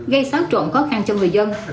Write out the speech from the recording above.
gây xáo trộn khó khăn cho người dân